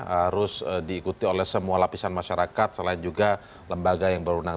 harus diikuti oleh semua lapisan masyarakat selain juga lembaga yang berundang